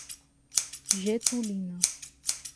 Getulina